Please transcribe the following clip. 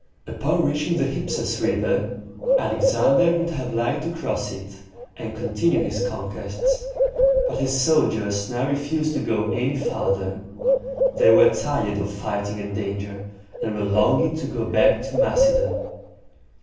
Upon reaching the Hyph´a sis River, Alexander would have liked to cross it, and continue his conquests; but his soldiers now refused to go any farther. They were tired of fighting and danger, and were longing to go back to Macedon.